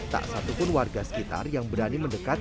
tak satupun warga sekitar yang berani mendekat